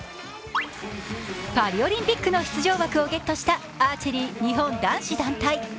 パリオリンピックの出場枠をゲットしたアーチェリー日本男子団体。